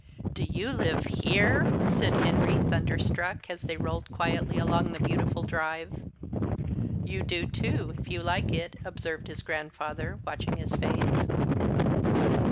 "Do you live here?" said Henry, thunderstruck, as they rolled quietly along the beautiful drive. "You do, too, if you like it," observed his grandfather, watching his face.